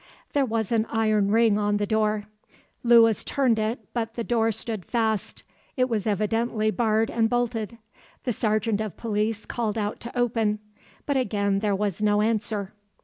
There was an iron ring on the door. Lewis turned it but the door stood fast; it was evidently barred and bolted. The sergeant of police called out to open, but again there was no answer.